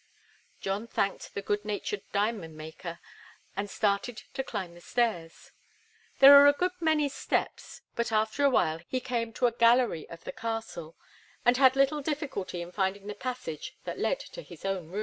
John thanked the good natured diamond maker and started to climb the stairs. There were a good many steps, but after a while he came to a gallery of the castle, and had little difficulty in finding the passage that led to his own room.